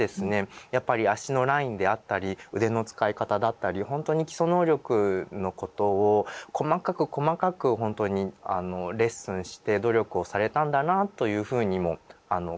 やっぱり脚のラインであったり腕の使い方だったりほんとに基礎能力のことを細かく細かくほんとにレッスンして努力をされたんだなあというふうにも感じました。